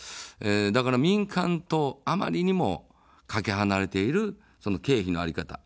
だから民間とあまりにもかけ離れている経費の在り方。